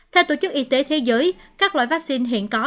theo tổ chức y tế thế giới các loại vaccine hiện có